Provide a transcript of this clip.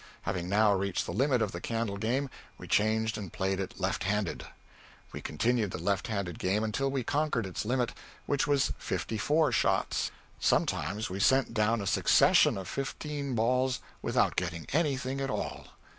Having now reached the limit of the candle game, we changed and played it left handed. We continued the left handed game until we conquered its limit, which was fifty four shots. Sometimes we sent down a succession of fifteen balls without getting anything at all.